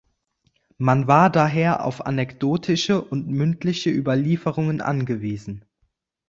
Man war daher auf anekdotische und mündliche Überlieferungen angewiesen.